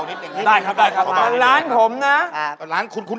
วะลงเรียนครับวะลงเรียนครับ